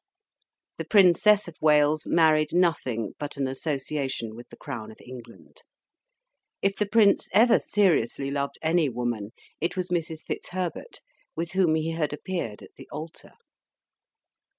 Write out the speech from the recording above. The Princess of Wales married nothing but an association with the Crown of England. If the Prince ever seriously loved any woman, it was Mrs. Fitzherbert, with whom he had appeared at the altar.